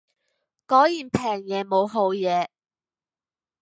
果然平嘢冇好嘢